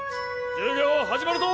授業始まるぞ！